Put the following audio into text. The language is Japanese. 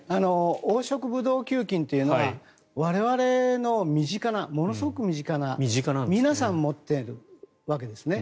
黄色ブドウ球菌というのは我々のものすごく身近な皆さん持っているわけですね。